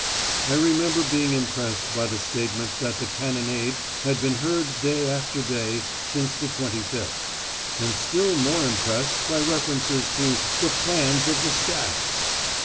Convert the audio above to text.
I remember being impressed by the statement that the cannonade had been heard day after day since the 25th, and still more impressed by references to "the plans of the Staff!"